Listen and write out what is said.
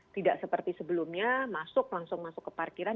tidak seperti sebelumnya masuk langsung masuk ke parkiran